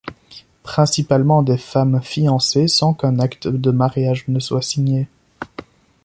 Principalement des femmes fiancées sans qu’un acte de mariage ne soit signé.